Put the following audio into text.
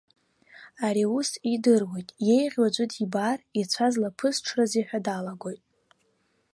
Ари ус идыруеит, иеиӷьу аӡә дибар ицәа злаԥысҽрызеи ҳәа далагоит.